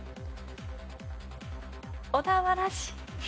小田原市。